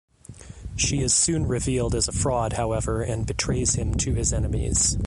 She is soon revealed as a fraud however and betrays him to his enemies.